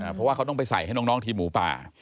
เพราะว่าเขาต้องไปใส่ให้น้องทีมหมูป่า